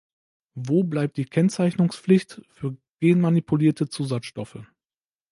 Wo bleibt die Kennzeichnungspflicht für genmanipulierte Zusatzstoffe?